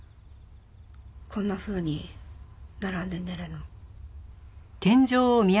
こんなふうに並んで寝るの。